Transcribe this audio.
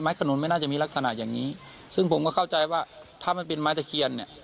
ขนุนไม่น่าจะมีลักษณะอย่างงี้ซึ่งผมก็เข้าใจว่าถ้ามันเป็นไม้ตะเคียนเนี่ย